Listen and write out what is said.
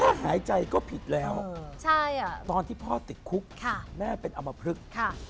ถ้าหายใจก็ผิดแล้วตอนที่พ่อติดคุกแม่เป็นอมพลึก